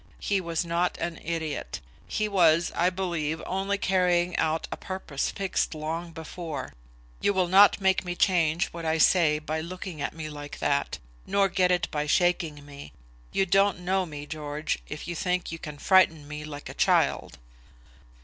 He was not an idiot. He was, I believe, only carrying out a purpose fixed long before. You will not make me change what I say by looking at me like that, nor get it by shaking me. You don't know me, George, if you think you can frighten me like a child."